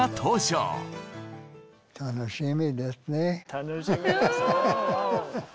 楽しみですよ。